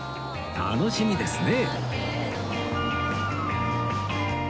楽しみですね